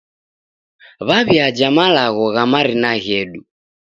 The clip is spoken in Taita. W'aw'iaja malagho gha marina ghedu.